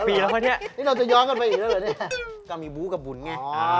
กี่ปีแล้ววะเนี้ยนี่เราจะย้อนกันไปอีกแล้วเลยเนี้ยก็มีบูกกับบุญไงอ๋อ